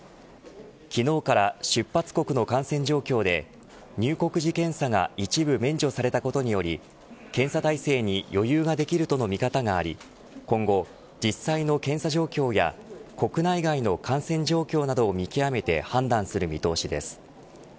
昨日から出発国の感染状況で入国時検査が一部免除しされたことにより検査態勢に余裕ができるとの見方があり今後、実際の検査状況や国内外の感染状況などを見極めて判断する見通しです。